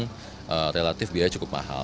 karena relatif biaya cukup mahal